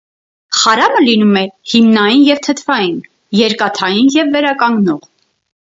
Խարամը լինում է հիմնային և թթվային, երկաթային և վերականգնող։